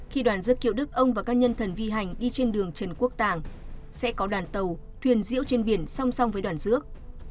khi đoàn dứt kiệu đức ông và các nhân thần vi hành đi trên đường trần quốc tàng sẽ có đoàn tàu thuyền diễu trên biển song song với đoàn rước